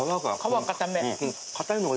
皮硬め。